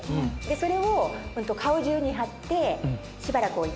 それを顔中に貼ってしばらく置いて。